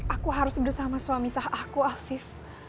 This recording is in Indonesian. aku harus bersama suami sah aku afif